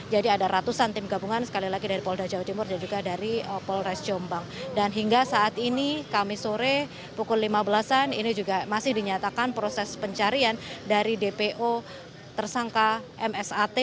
jadi ada ratusan tim gabungan sekali lagi dari polda jawa timur dan juga dari kapolres jombang dan hingga saat ini kami sore pukul lima belas an ini juga masih dinyatakan proses pencarian dari dpo tersangka msat